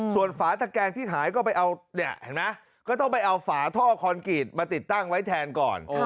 ส่วนฝาตะแกงที่หายก็ไปเอาเนี่ยเห็นไหมก็ต้องไปเอาฝาท่อคอนกรีตมาติดตั้งไว้แทนก่อน